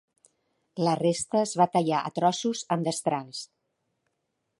La resta es va tallar a trossos amb destrals...